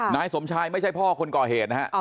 นายสมชายไม่ใช่พ่อคนก่อเหตุนะฮะ